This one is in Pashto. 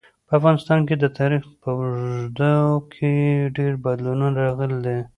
په افغانستان کي د تاریخ په اوږدو کي ډېر بدلونونه راغلي دي.